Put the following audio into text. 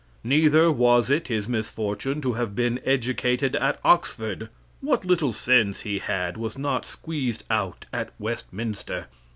Neither was it his misfortune to have been educated at Oxford. What little sense he had was not squeezed out at Westminster.